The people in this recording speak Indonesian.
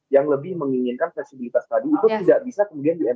yang lebih menginginkan fleksibilitas tadi itu tidak bisa kemudian